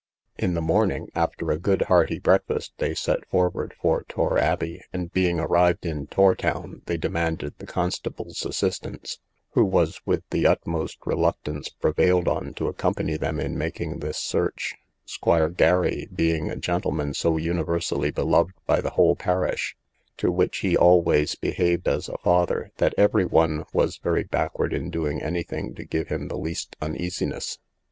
In the morning, after a good hearty breakfast, they set forward for Tor abbey; and, being arrived in Tor town, they demanded the constables' assistance, who was with the utmost reluctance prevailed on to accompany them in making this search; Squire Gary being a gentleman so universally beloved by the whole parish, (to which he always behaved as a father,) that every one was very backward in doing any thing to give him the least uneasiness.